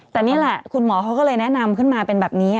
แต่นี่แหละคุณหมอเขาก็เลยแนะนำขึ้นมาเป็นแบบนี้